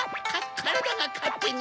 からだがかってに。